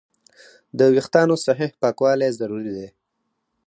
د وېښتیانو صحیح پاکوالی ضروري دی.